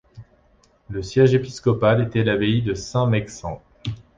Le siège épiscopal était l'abbaye de Saint-Maixent.